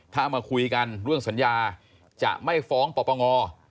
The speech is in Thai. ถ้ามาคุยกันเรื่องสัญญาจะไม่ฟ้องปปง